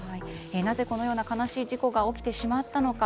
なぜ、このような悲しい事故が起きてしまったのか。